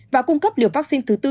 và cung cấp liều vaccine thứ tư